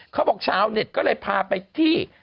เขาบอกชาวเน็ตก็เลยพาไปที่